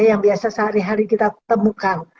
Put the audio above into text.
yang biasa sehari hari kita temukan